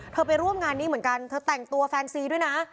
ไปร่วมงานนี้เหมือนกันเธอแต่งตัวแฟนซีด้วยนะ